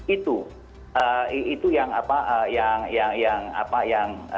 itu itu yang